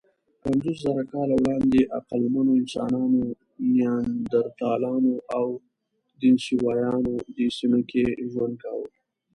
پنځوسزره کاله وړاندې عقلمنو انسانانو، نیاندرتالانو او دنیسووایانو دې سیمه کې ژوند کاوه.